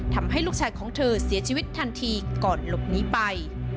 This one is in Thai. ทำให้ลูกชายของเธอเสียชีวิตทันทีก่อนหลบหนีไป